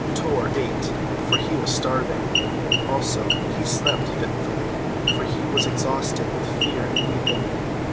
Tor ate, for he was starving; also he slept fitfully, for he was exhausted with fear and weeping.